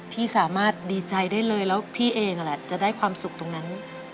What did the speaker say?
พี่สามารถดีใจได้เลยแล้วพี่เองนั่นแหละจะได้ความสุขตรงนั้น